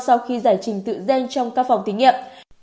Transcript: sau khi giải trình tự gen trong các phòng thí nghiệm